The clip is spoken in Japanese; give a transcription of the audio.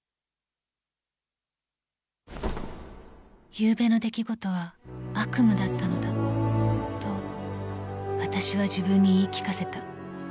［ゆうべの出来事は悪夢だったのだとわたしは自分に言い聞かせた］